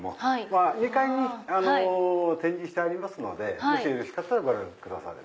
２階に展示してありますのでよろしかったらご覧ください。